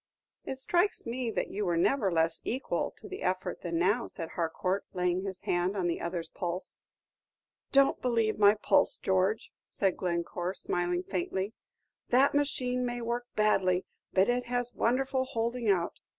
"It strikes me that you were never less equal to the effort than now," said Harcourt, laying his hand on the other's pulse. "Don't believe my pulse, George," said Glencore, smiling faintly. "The machine may work badly, but it has wonderful holding out.